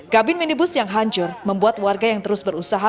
kabin minibus yang hancur membuat warga yang terus berusaha